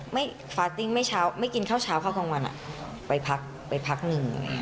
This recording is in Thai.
ฟาติ้งไม่เช้าไม่กินข้าวเช้าข้าวกลางวันไปพักไปพักหนึ่ง